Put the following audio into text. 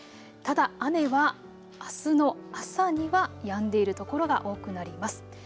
ただ、雨はあすの朝にはやんでいる所が多くなります。